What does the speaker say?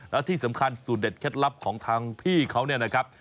แล้วที่สำคัญสูตรเด็ดเคล็ดลับของทางพี่เขาเนี่ยนะครับ